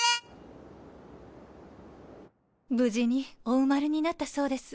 無事にお生まれになったそうです。